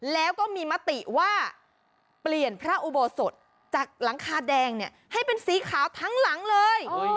แล้วก็มีมติว่าเปลี่ยนพระอุโบสถจากหลังคาแดงเนี่ยให้เป็นสีขาวทั้งหลังเลย